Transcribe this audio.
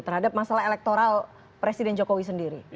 terhadap masalah elektoral presiden jokowi sendiri